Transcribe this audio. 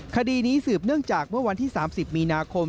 คดีนี้สืบเนื่องจากเมื่อวันที่๓๐มีนาคม